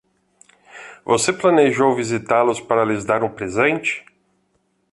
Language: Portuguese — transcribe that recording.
Você planejou visitá-los para lhes dar um presente?